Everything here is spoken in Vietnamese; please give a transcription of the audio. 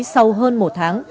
sau hơn một tháng